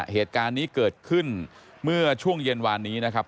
เหตุการณ์นี้เกิดขึ้นเมื่อช่วงเย็นวานนี้นะครับ